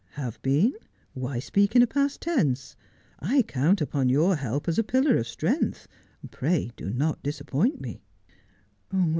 ' Have been 1 "Why speak in a past tense ? I count upon your help as a pillar of strength. Pray do not disappoint me.'